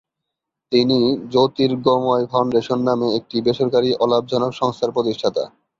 তিনি জ্যোতির্গময় ফাউন্ডেশন নামে একটি বেসরকারি অলাভজনক সংস্থার প্রতিষ্ঠাতা।